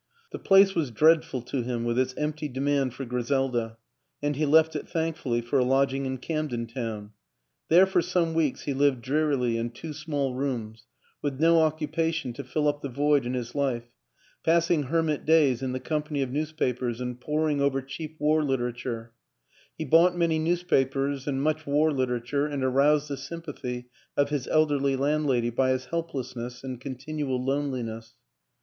The place was dreadful to him, with its empty demand for Griselda, and he left it thankfully for a lodging in Camden Town. There for some weeks he lived drearily in two small rooms, with no occupation to fill up the void in his life, passing hermit days in the company of newspapers and poring over cheap war litera ture; he bought many newspapers and much war literature and aroused the sympathy of his elderly landlady by his helplessness and continual loneli ness.